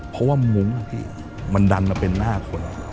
เพราะว่ามุ้งนะพี่มันดันมาเป็นหน้าคน